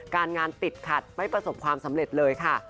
การงานติดขัดไม่ประสบความสำเร็จเลยค่ะ